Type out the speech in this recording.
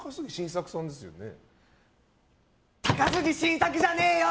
高杉晋作じゃねえよ！